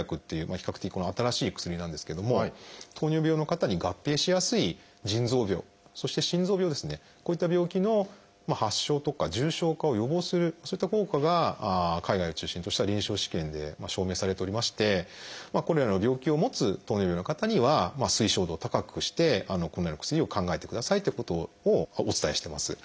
比較的新しい薬なんですけども糖尿病の方に合併しやすい腎臓病そして心臓病ですねこういった病気の発症とか重症化を予防するそういった効果が海外を中心とした臨床試験で証明されておりましてこのような病気を持つ糖尿病の方には推奨度を高くしてこのような薬を考えてくださいってことをお伝えしてます。